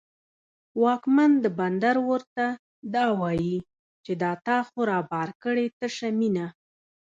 واکمن د بندر ورته دا وايي، چې دا تا خو رابار کړې تشه مینه